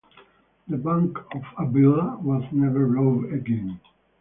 The Bank of Avilla was never robbed again.